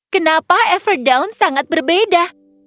kenapa everdown sangat berbeda